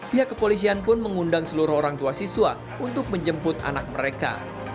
pihak kepolisian pun mengundang seluruh orang tua siswa untuk menjemput anak mereka